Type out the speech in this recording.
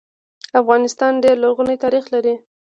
افغانستان ډير لرغونی تاریخ لري